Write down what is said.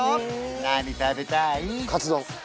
何食べたい？